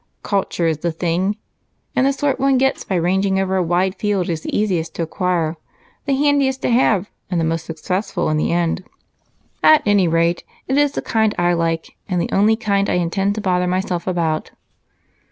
Culture is the thing, and the sort one gets by ranging over a wide field is the easiest to acquire, the handiest to have, and the most successful in the end. At any rate, it is the kind I like and the only kind I intend to bother myself about."